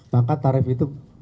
maka tarif itu